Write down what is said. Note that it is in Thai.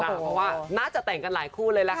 เพราะว่าน่าจะแต่งกันหลายคู่เลยล่ะค่ะ